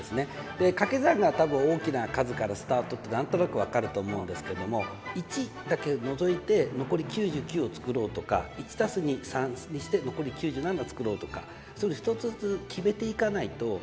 で掛け算が多分大きな数からスタートって何となく分かると思うんですけども「１」だけ除いて残り「９９」を作ろうとか「１＋２」「３」にして残り「９７」を作ろうとかそういうの一つずつ決めていかないとつらいと思います。